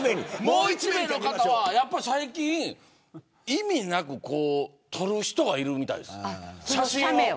もう１名の方は最近意味なく撮る人がいるそうです。